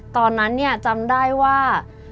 ตอนนั้นจำได้ว่า